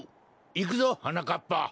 いくぞはなかっぱ。